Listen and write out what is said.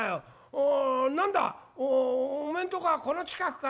『お何だおめえんとこはこの近くか？』